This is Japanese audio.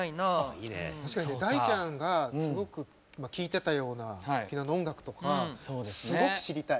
確かにね大ちゃんがすごく聴いてたような沖縄の音楽とかすごく知りたい。